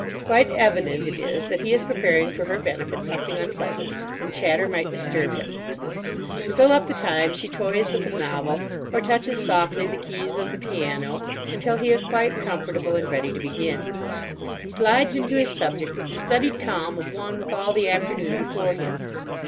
Quite evident it is that he is preparing for her benefit something unpleasant, and chatter might disturb him. To fill up the time she toys with a novel or touches softly the keys of the piano until he is quite comfortable and ready to begin. He glides into his subject with the studied calm of one with all the afternoon before him.